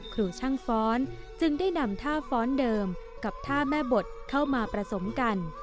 ครูช่างฟ้อนจึงได้นำท่าฟ้อนเดิมกับท่าแม่บทเข้ามาผสมกัน